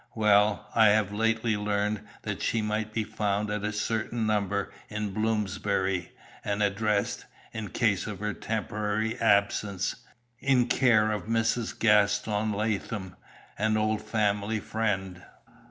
"Well, I have lately learned that she might be found at a certain number in Bloomsbury, and addressed, in case of her temporary absence, in care of Mrs. Gaston Latham, an old family friend."